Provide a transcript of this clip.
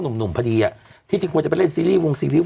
หนุ่มพอดีอ่ะที่จริงควรจะไปเล่นซีรีสวงซีริว